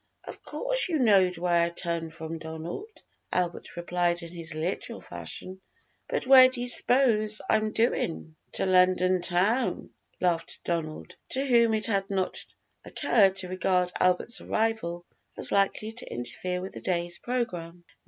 "Of course you knowed where I tum from, Donald," Albert replied in his literal fashion; "but where do you s'pose I'm doin'?" "To London Town," laughed Donald, to whom it had not occurred to regard Albert's arrival as likely to interfere with the day's programme.